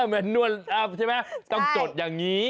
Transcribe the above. แมนนวัลใช่ไหมต้องจดอย่างนี้